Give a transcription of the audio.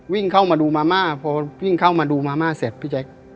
วิ่งเข้ามาดูมาม่าพอวิ่งเข้ามาดูมาม่าเสร็จพี่แจ๊ค